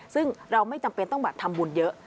ซึ่งเราไม่จำเป็นต้องแบบทำบุญเยอะ